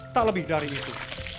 tak lebih dari itu